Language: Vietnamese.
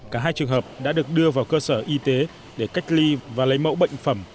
cả hai trường hợp đã được đưa vào cơ sở y tế để cách ly và lấy mẫu bệnh phẩm